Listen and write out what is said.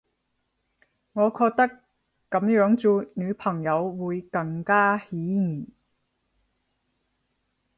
我覺得噉樣做女朋友會更加起疑